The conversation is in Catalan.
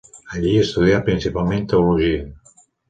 Allí estudià principalment teologia.